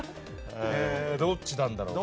どっちなんだろうね。